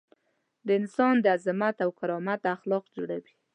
د انسان د عظمت او کرامت اخلاق جوړوي.